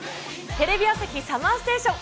テレビ朝日ＳＵＭＭＥＲＳＴＡＴＩＯＮ。